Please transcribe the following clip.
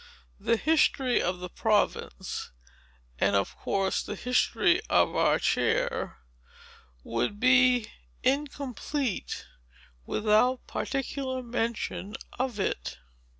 The history of the province, (and, of course, the history of our chair,) would be incomplete, without particular mention of it."